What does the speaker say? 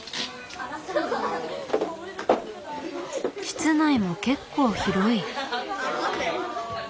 室内も結構広い。